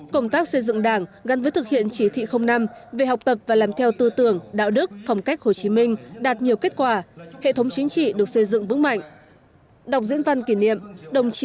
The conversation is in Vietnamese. công tác xây dựng đảng gắn với thực hiện chỉ thị năm về học tập và làm theo tư tưởng đạo đức phong cách hồ chí minh đạt nhiều kết quả hệ thống chính trị được xây dựng vững mạnh